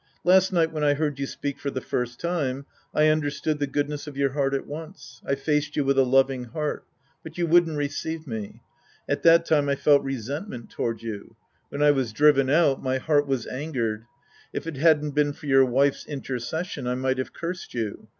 Last night when I heard you speak for the first time, I understood the goodness of your heart at once. I faced you with a loving heart. But you wouldn't receive me. At that time I felt resent ment toward you. When I was driven out, my heart was angered. If it hadn't been for your wife's inter cession, I might have cursed you.